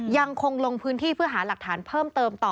ยังคงลงพื้นที่เพื่อหาหลักฐานเพิ่มเติมต่อ